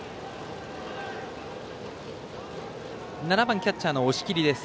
７番キャッチャーの押切です。